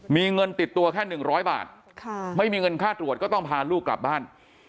มีเงินติดตัวแค่๑๐๐บาทไม่มีเงินค่าตรวจก็ต้องพาลูกกลับบ้าน